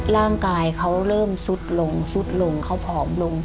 ร่างกายเขาเริ่มซุดลงซุดลงเขาผอมลง